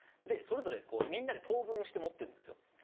でそれぞれみんなで等分して持ってるんですよ。